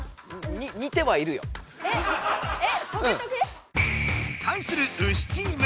えっ？トゲトゲ？対するウシチーム。